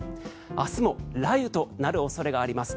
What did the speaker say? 明日も雷雨となる恐れがあります。